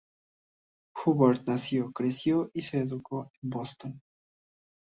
Hubbard nació, creció y se educó en Boston.